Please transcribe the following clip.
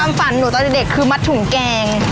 ฝันหนูตอนเด็กคือมัดถุงแกง